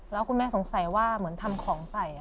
แล้วคุณแม่สงสัยว่าเหมือนทำของใส่